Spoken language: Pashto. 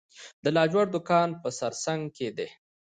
د لاجورد کان په سرسنګ کې دی